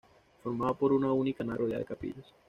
Formado por una única nave rodeada de capillas.